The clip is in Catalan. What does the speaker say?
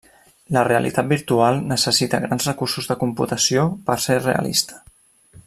La realitat virtual necessita grans recursos de computació per ser realista.